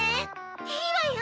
いいわよ！